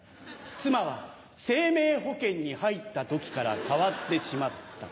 妻は生命保険に入った時から変わってしまった。